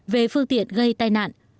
về phương tiện gây tai nạn